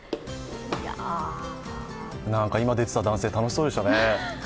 今、出てた男性、楽しそうでしたね。